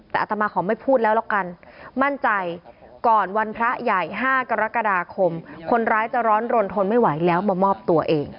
แต่อัตมาขอไม่พูดแล้วแล้วกันมั่นใจก่อนวันพระใหญ่๕กรกฎาคมคนร้ายจะร้อนรนทนไม่ไหวแล้วมามอบตัวเอง